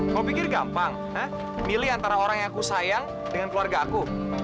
kau pikir gampang milih antara orang yang aku sayang dengan keluarga aku